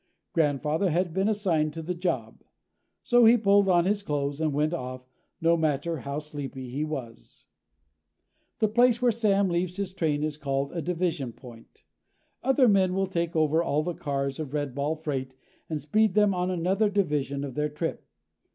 Grandfather had been assigned to the job. So he pulled on his clothes and went off, no matter how sleepy he was. The place where Sam leaves his train is called a division point. Other men will take over all the cars of redball freight and speed them on another division of their trip.